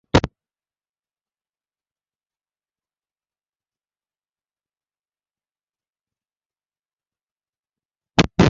ஆனால், வாக்குகள் அளிக்கப் பெற்றுள்ள நடைமுறைகளைப் பார்த்தால் வாக்காளர்களுக்கு இத்தகைய எண்ணம் இருந்ததாகத் தெரியவில்லை இருக்கவும் முடியாது ஏன்?